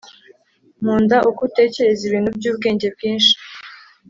nkunda uko utekereza ibintu byubwenge bwinshi